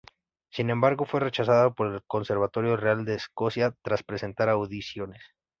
Sin embargo, fue rechazada por el Conservatorio Real de Escocia tras presentar audiciones.